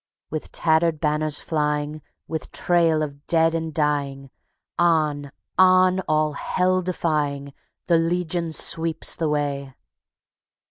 _"With tattered banners flying With trail of dead and dying, On! On! All hell defying, The Legion sweeps the way."